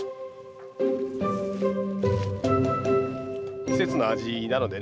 季節の味なのでね